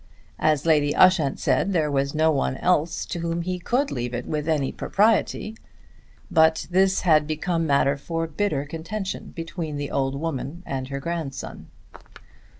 As Lady Ushant said, there was no one else to whom he could leave it with any propriety; but this had become matter for bitter contention between the old woman and her grandson.